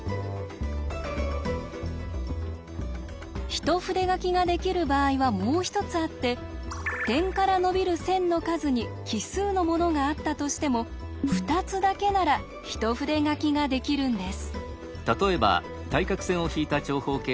一筆書きができる場合はもう一つあって点から伸びる線の数に奇数のものがあったとしても２つだけなら一筆書きができるんです。